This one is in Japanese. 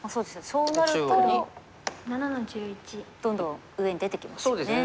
そうなるとどんどん上に出てきますよね。